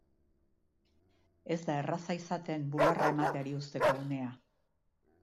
Ez da erraza izaten bularra emateari uzteko unea.